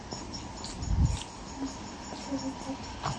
Se elabora con harina de trigo, mantequilla, azúcar y a veces yema de huevo.